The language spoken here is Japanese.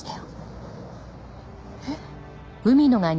えっ？